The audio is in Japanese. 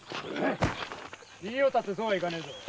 逃げようったってそうはいかねえぞ！